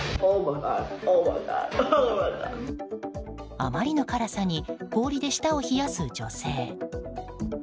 あまりの辛さに氷で舌を冷やす女性。